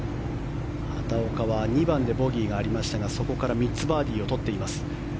畑岡は２番でボギーがありましたがそこから３つバーディーを取っています。